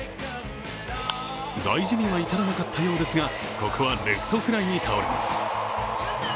大事には至らなかったようですがここはレフトフライに倒れます。